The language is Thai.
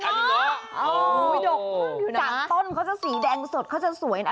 จากต้นเขาจะสีแดงสดเขาจะสวยนะ